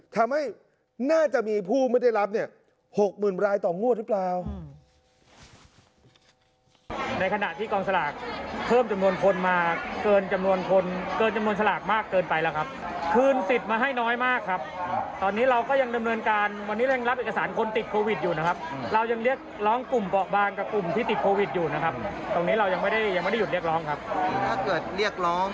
ทำให้น่าจะมีผู้ไม่ได้รับ๖หมื่นรายต่องวดรึเปล่า